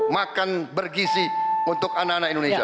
makan bergizi untuk anak anak indonesia